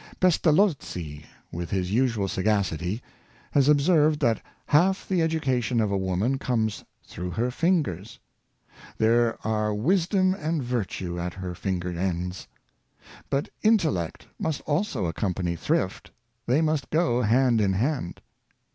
Pestalozzi, with his usual sagacity, has observed that half the education of a woman comes through her fingers. There are wisdom and virtue at her finger ends. But intellect must also accompany thrift, they must go hand in hand.